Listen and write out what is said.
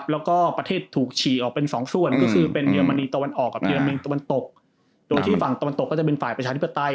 แล้วก็ประเทศถูกฉี่ออกเป็นสองส่วนก็คือเป็นเยอรมนีตะวันออกกับเยอรมินตะวันตกโดยที่ฝั่งตะวันตกก็จะเป็นฝ่ายประชาธิปไตย